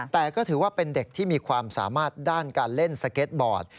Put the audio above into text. แต่ก็ถือว่าเป็นเด็กที่มีความสามารถด้านการเล่นสเก็ตบอร์ด